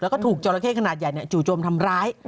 แล้วก็ถูกจอราเข้ขนาดใหญ่จู่โจมทำร้าย